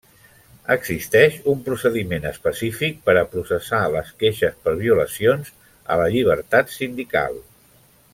Existeix un procediment específic per a processar les queixes per violacions a la llibertat sindical.